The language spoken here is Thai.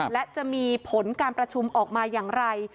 และจะมีผลการประชุมออกมาอย่างไร